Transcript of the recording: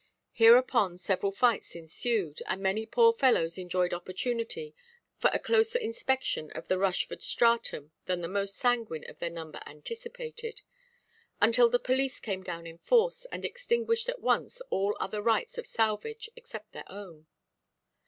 Hereupon several fights ensued, and many poor fellows enjoyed opportunity for a closer inspection of the Rushford stratum than the most sanguine of their number anticipated; until the police came down in force, and extinguished at once all other rights of salvage except their own.